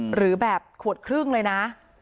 หรือแบบขวดครึ่งเลยนะ